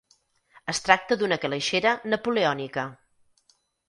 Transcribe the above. Es tracta d'una calaixera napoleònica.